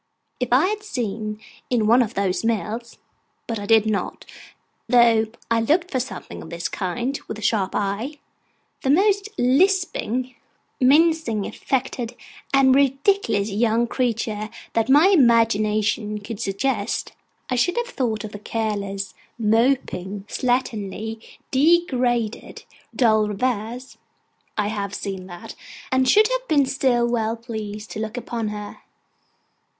If I had seen in one of those mills (but I did not, though I looked for something of this kind with a sharp eye), the most lisping, mincing, affected, and ridiculous young creature that my imagination could suggest, I should have thought of the careless, moping, slatternly, degraded, dull reverse (I have seen that), and should have been still well pleased to look upon her.